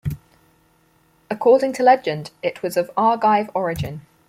According to legend, it was of Argive origin.